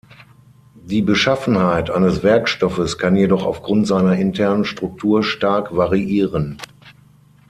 Die Beschaffenheit eines Werkstoffes kann jedoch aufgrund seiner internen Struktur stark variieren.